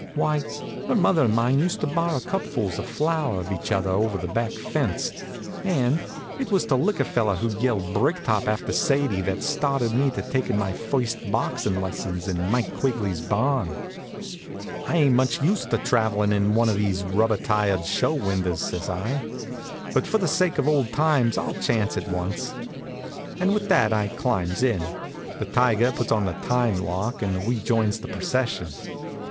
Why, her mother 'n' mine used to borrow cupfuls of flour of each other over the back fence, and it was to lick a feller who'd yelled "brick top" after Sadie that started me to takin' my first boxin' lessons in Mike Quigley's barn. "I ain't much used to traveling in one of these rubber tired show windows," says I; "but for the sake of old times I'll chance it once," and with that I climbs in; the tiger puts on the time lock, and we joins the procession.